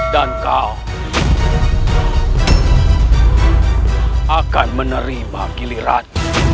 dan kau akan menerima giliran